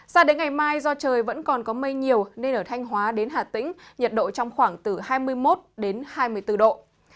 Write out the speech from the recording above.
sao đến ngày mai do trời vẫn còn có mây nhiều nên ở thanh hóa đến hà tĩnh nhiệt độ trong khoảng từ hai mươi một đến hai mươi bốn độ